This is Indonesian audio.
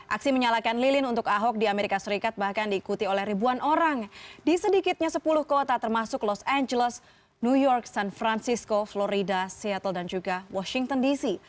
aksi menyalakan lilin untuk ahok di amerika serikat bahkan diikuti oleh ribuan orang di sedikitnya sepuluh kota termasuk los angeles new york san francisco florida seattle dan juga washington dc